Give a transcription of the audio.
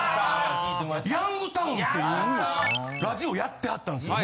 ・『ヤングタウン』っていうラジオやってはったんですよ。